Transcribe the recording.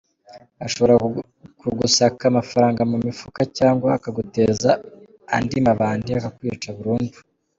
Ashobora kugusaka amafaranga mu mifuka cyangwa akaguteza andi mabandi akakwica burundu.